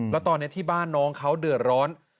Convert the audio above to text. แล้วตอนนี้ที่บ้านน้องเขาเดือดร้อน